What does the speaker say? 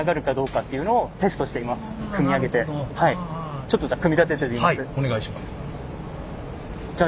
ちょっとじゃあ組み立ててみます。